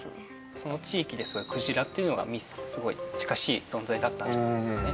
その地域ですごい鯨っていうのがすごい近しい存在だったんじゃないですかね